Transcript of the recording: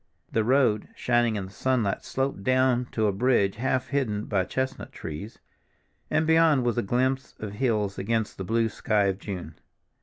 The road, shining in the sunlight, sloped down to a bridge half hidden by chestnut trees, and beyond was a glimpse of hills against the blue sky of June.